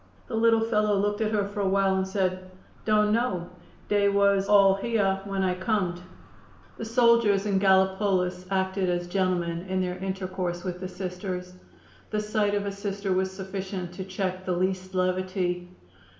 The little fellow looked at her for awhile and said: "Dun no; dey was all hyar when I comed." The soldiers in Gallipolis acted as gentlemen in their intercourse with the Sisters. The sight of a Sister was sufficient to check the least levity.